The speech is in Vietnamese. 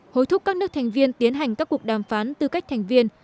hối thúc các nước thành viên tiến hành các cuộc đàm phán tư cách thành viên